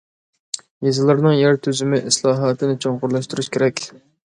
يېزىلارنىڭ يەر تۈزۈمى ئىسلاھاتىنى چوڭقۇرلاشتۇرۇش كېرەك.